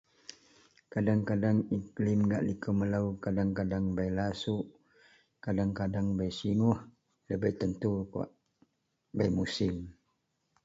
Kadeng-kadeng iklim gak liko melo kadeng-kadeng bei lasouk kadeng-kadeng bei singoh da bei tentu kawak bei musim.